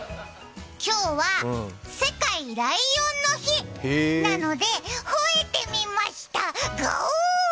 今日は世界ライオンの日なのでほえてみました、ガオ！